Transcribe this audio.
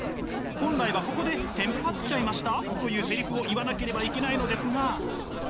本来はここで「テンパっちゃいました？」というセリフを言わなければいけないのですが。